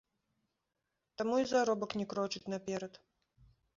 Таму і заробак не крочыць наперад.